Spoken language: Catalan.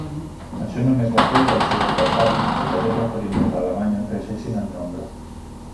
Això només va fer que els seus adversaris, sobretot referint-nos a Alemanya, creixessin en nombre.